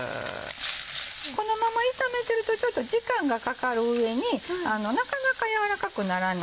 このまま炒めてるとちょっと時間がかかる上になかなか軟らかくならない。